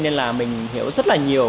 nên là mình hiểu rất là nhiều